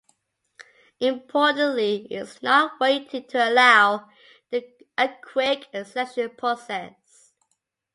Importantly, it is not weighted to allow a quick selection process.